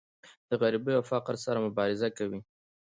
د غریبۍ او فقر سره مبارزه کوي.